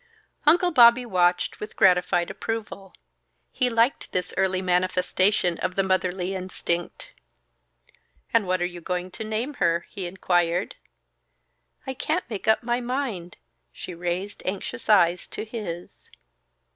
Uncle Bobby watched with gratified approval. He liked this early manifestation of the motherly instinct. "And what are you going to name her?" he inquired. "I can't make up my mind." She raised anxious eyes to his.